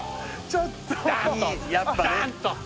ちょっといいやっぱね